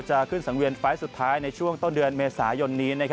จะขึ้นสังเวียนไฟล์สุดท้ายในช่วงต้นเดือนเมษายนนี้